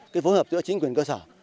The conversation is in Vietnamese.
cái phối hợp giữa chính quyền cơ sở